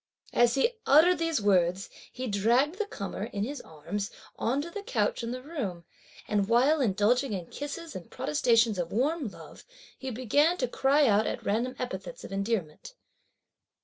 As he uttered these words, he dragged the comer, in his arms, on to the couch in the room; and while indulging in kisses and protestations of warm love, he began to cry out at random epithets of endearment.